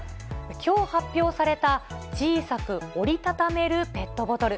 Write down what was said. きょう発表された小さく折り畳めるペットボトル。